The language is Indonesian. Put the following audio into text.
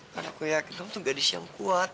karena aku yakin kamu tuh gadis yang kuat